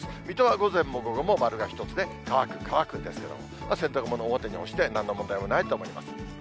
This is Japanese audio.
水戸は午前も午後も丸が１つで、乾く、乾くですけれども、洗濯物表に干してなんの問題もないと思います。